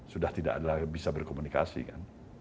sudah tidak ada yang bisa berkomunikasi kan